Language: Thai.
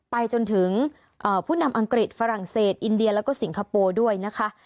ไปจนถึงผู้นำอังกฤษฝรั่งเศสอินเดียแล้วก็สิงคโปร์ด้วยนะคะ